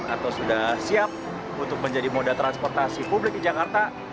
atau sudah siap untuk menjadi moda transportasi publik di jakarta